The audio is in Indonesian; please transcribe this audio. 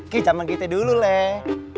kejaman kita dulu leh